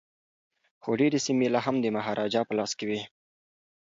خو ډیري سیمي لا هم د مهاراجا په لاس کي وې.